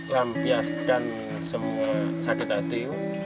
lampiaskan semua sakit hati